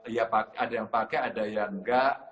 ya ada yang pakai ada yang enggak